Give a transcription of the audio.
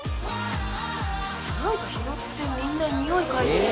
なんか拾ってみんなにおい嗅いでる。